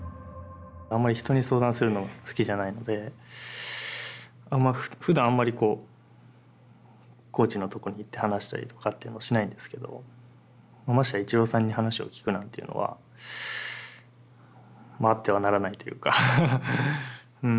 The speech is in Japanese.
あんまり人に相談するのが好きじゃないのでふだんあんまりこうコーチのとこに行って話したりとかっていうのをしないんですけどましてやイチローさんに話を聞くなんていうのはあってはならないというかハハ。